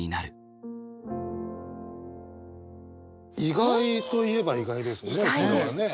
意外と言えば意外ですね。